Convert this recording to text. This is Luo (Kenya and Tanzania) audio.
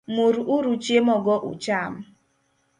Mur uru chiemo go ucham